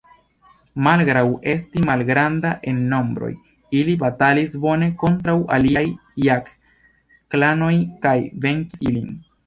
Malgraŭ esti malgranda en nombroj, ili batalis bone kontraŭ aliaj Jat-klanoj kaj venkis ilin.